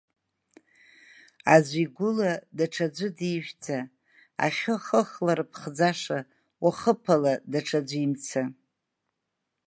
Аӡә игәыла даҽаӡә дижәҵа, ахьы хыхла рыԥхӡаша, уахыԥала даҽаӡә имца…